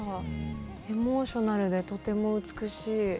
エモーショナルでとても美しい。